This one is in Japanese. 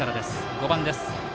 ５番です。